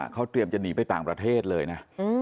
เขาเตรียมจะหนีไปต่างประเทศเลยนะ